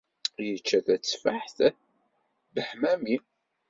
Yečča teteffaḥt beḥmami